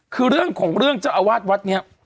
คือเรื่องของเรื่องเจ้าอาวาสวัดเนี่ย